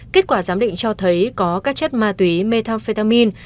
kết quả giám định cho thấy có các chất ma túy methamphetamin